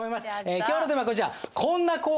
今日のテーマはこちら。